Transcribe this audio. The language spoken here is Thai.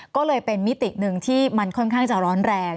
ก็เลยเป็นมิติหนึ่งที่มันค่อนข้างจะร้อนแรง